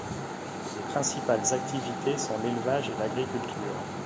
Les principales activités sont l'élevage et l'agriculture.